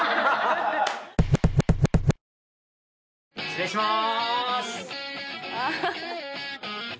失礼しまーす！